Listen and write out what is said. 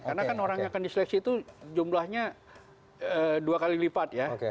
karena kan orang yang akan diseleksi itu jumlahnya dua kali lipat ya